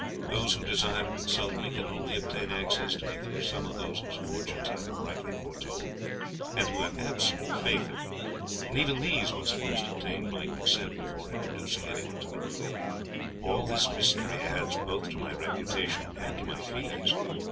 Those who desire to consult me can only obtain access to me through some of those whose fortunes I have rightly foretold, and who have absolute faith in me, and even these must first obtain my consent before introducing anyone to me. All this mystery adds both to my reputation and to my fees.